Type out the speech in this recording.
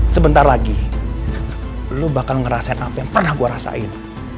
sebentar lagi lo bakal ngerasain apa yang pernah gue rasain